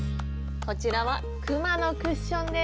こちらはくまのクッションです。